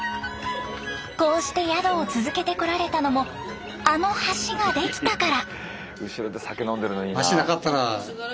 こうして宿を続けてこられたのもあの橋ができたから。